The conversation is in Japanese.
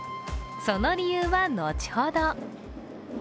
その理由は、後ほど。